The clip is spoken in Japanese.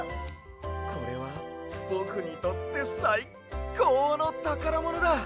これはぼくにとってさいこうのたからものだ。